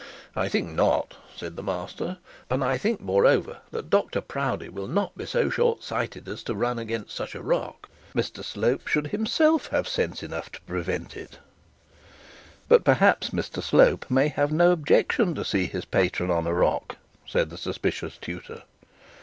'I think not,' said the master. 'And I think, moreover, that Dr Proudie will not be so short sighted as to run against such a rock; Mr Slope should himself have sense enough to prevent it.' 'But perhaps Mr Slope may have no objection to see his patron on a rock,' said the suspicious tutor.